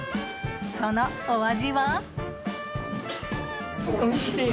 そのお味は？